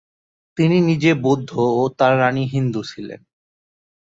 তিনি নিজে বৌদ্ধ ও তার রাণী হিন্দু ছিলেন।